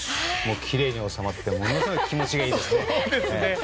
きれいに収まってものすごく気持ちがいいですね。